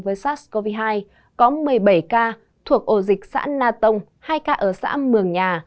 với sars cov hai có một mươi bảy ca thuộc ổ dịch xã na tông hai ca ở xã mường nhà